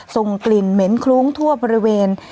ส่งกลิ่นเหม็นคลุ้งทั่วบริเวณ